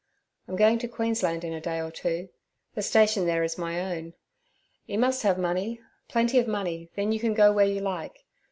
I'm going to Queensland in a day or two; the station there is my own. You must have money, plenty of money, then you can go where you like.